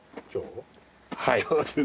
はい。